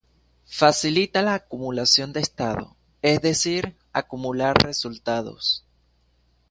Facilita la acumulación de estado, es decir, acumular resultados.